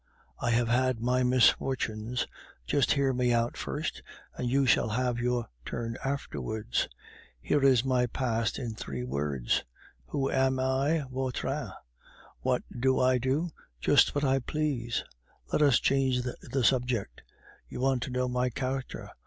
I have had my misfortunes. Just hear me out first, and you shall have your turn afterwards. Here is my past in three words. Who am I? Vautrin. What do I do? Just what I please. Let us change the subject. You want to know my character.